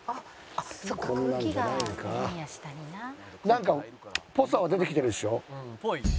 なんかっぽさは出てきてるでしょ？